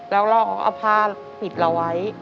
แล้วเขาก็เอาผ้าปิดเราไว้